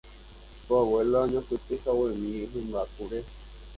ku abuela oñapytĩhaguémi hymba kure